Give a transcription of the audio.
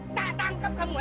tak tangkap kamu ya